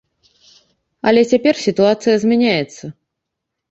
Але цяпер сітуацыя змяняецца.